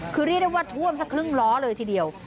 คือเรียกได้ว่าท่วมสักครึ่งล้อเลยทีเดียว